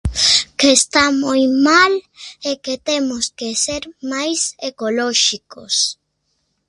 Que está moi mal e que temos que ser máis ecolóxicos.